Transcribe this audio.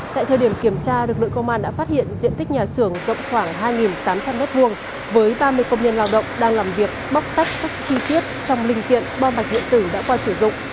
tại thời điểm kiểm tra đội công an đã phát hiện diện tích nhà xưởng rộng khoảng hai tám trăm linh m hai với ba mươi công nhân lao động đang làm việc bóc tắt các chi tiết trong linh kiện bom bạch điện tử đã qua sử dụng